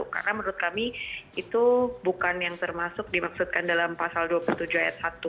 karena menurut kami itu bukan yang termasuk dimaksudkan dalam pasal dua puluh tujuh ayat satu